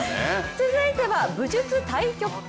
続いては武術太極拳。